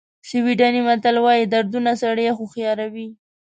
سویډني متل وایي دردونه سړی هوښیاروي.